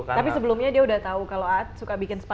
tapi sebelumnya dia udah tau kalo aad suka bikin sepatu sendiri